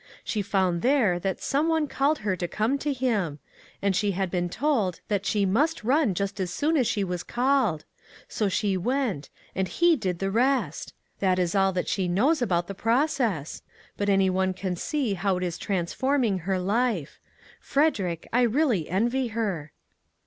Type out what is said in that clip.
She found there that Some One called her to come to him; and she had been told that she must run just as soon as she was called ; so she went ; and he did the rest ! That is all that she knows about the process; but any one can see how it is 'transforming her life. Frederick, I really envy her."